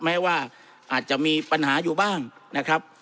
แม้ว่าอาจจะมีปัญหาอยู่บ้างนะครับ